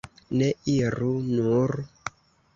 Ne, iru nur!